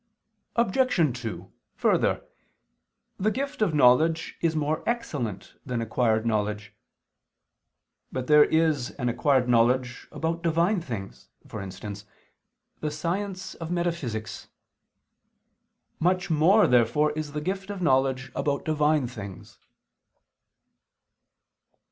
Obj. 2: Further, the gift of knowledge is more excellent than acquired knowledge. But there is an acquired knowledge about Divine things, for instance, the science of metaphysics. Much more therefore is the gift of knowledge about Divine things.